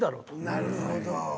なるほど。